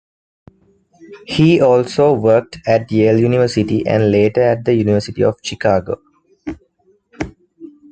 He also worked at Yale University and later at the University of Chicago.